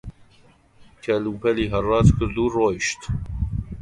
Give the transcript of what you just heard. کەل-پەلی هەڕاج کرد و ڕۆیشت